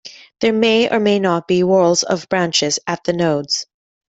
There may or may not be whorls of branches at the nodes.